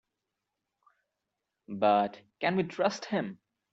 But can we trust him?